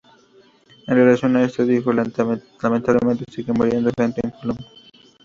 En relación a esto dijo "lamentablemente sigue muriendo gente en Colombia".